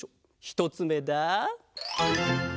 ひとつめだ！